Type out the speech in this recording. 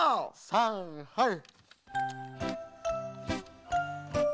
さんはい。